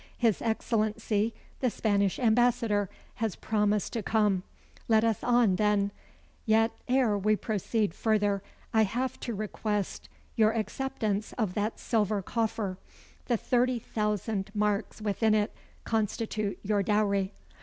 His Excellency the Spanish Ambassador has promised to come. Let us on, then. Yet, ere we proceed further, I have to request your acceptance of that silver coffer. The thirty thousand marks within it constitute your dowry."